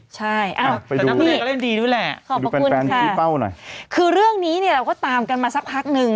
ใช่อ้าวนี่ขอบคุณค่ะคือเรื่องนี้เนี่ยเราก็ตามกันมาสักพักนึง